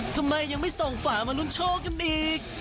ทำไมยังไม่ส่งฝามาลุ้นโชคกันอีก